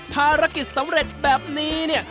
ภารกิจสำเร็จแบบนี้เนี่ย